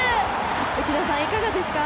内田さん、いかがですか？